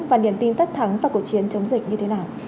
và niềm tin tất thắng vào cuộc chiến chống dịch như thế nào